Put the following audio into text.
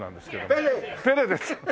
ペレです。